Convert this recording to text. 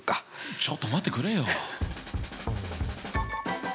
ちょっと待ってくれよ。